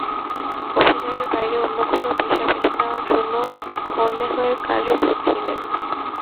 অভিনয়ের বাইরে অন্য কোনো পেশা বেছে নেওয়ার জন্য হন্যে হয়ে কাজও খুঁজেছিলেন।